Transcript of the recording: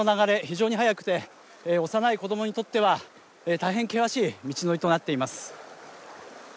非常に速くて幼い子どもにとっては大変険しい道のりとなっています